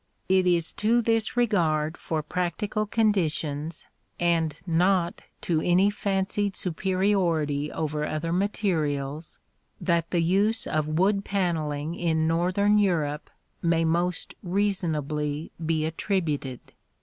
] It is to this regard for practical conditions, and not to any fancied superiority over other materials, that the use of wood panelling in northern Europe may most reasonably be attributed.